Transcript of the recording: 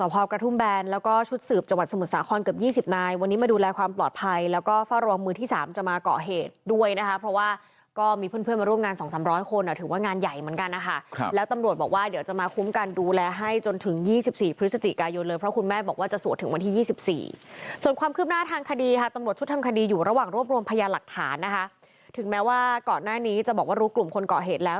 ประกอบหน้านี้จะบอกว่ารู้กลุ่มคนเกาะเหตุแล้ว